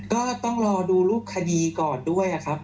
ก็ต้องรอดูรูปคดีก่อนด้วยครับ